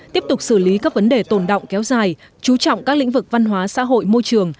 tiếp tục xử lý các vấn đề tồn động kéo dài chú trọng các lĩnh vực văn hóa xã hội môi trường